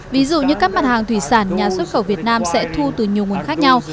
ví dụ như các mặt hàng thủy sản nhà xuất khẩu việt nam sẽ thu từ nhiều nguồn khác nhau